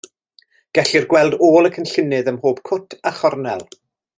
Gellir gweld ôl y cynllunydd ym mhob cwt a chornel.